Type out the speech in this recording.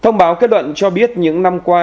thông báo kết luận cho biết những năm qua